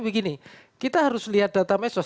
begini kita harus lihat data medsos